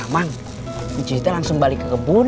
mang cuci langsung balik ke kebun